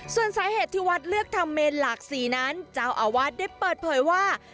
ส่วนสาเหตุที่วัดเลือกทำเมนหลากสีนั้นเจ้าอาวาสได้เปิดเผยว่า